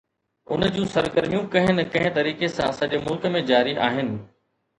ان جون سرگرميون ڪنهن نه ڪنهن طريقي سان سڄي ملڪ ۾ جاري آهن.